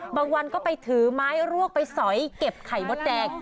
วันก็ไปถือไม้รวกไปสอยเก็บไข่มดแดง